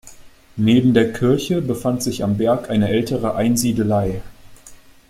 Neben der Kirche befand sich am Berg eine ältere Einsiedelei.